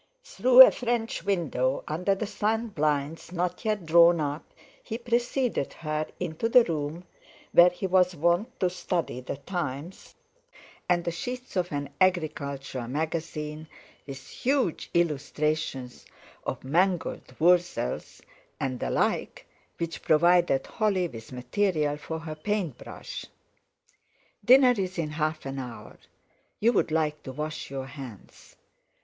Through a French window, under sun blinds not yet drawn up, he preceded her into the room where he was wont to study The Times and the sheets of an agricultural magazine, with huge illustrations of mangold wurzels, and the like, which provided Holly with material for her paint brush. "Dinner's in half an hour. You'd like to wash your hands!